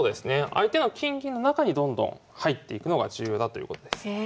相手の金銀の中にどんどん入っていくのが重要だということです。